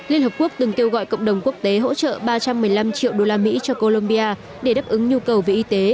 liên hợp quốc từng kêu gọi cộng đồng quốc tế hỗ trợ ba trăm một mươi năm triệu đô la mỹ cho colombia để đáp ứng nhu cầu về y tế